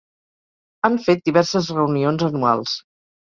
Han fet diverses reunions anuals.